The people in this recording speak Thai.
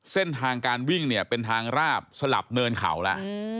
เส้นทางการวิ่งเนี่ยเป็นทางราบสลับเนินเขาแล้ว